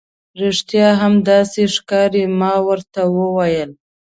رښتیا هم، داسې ښکاري. ما ورته وویل.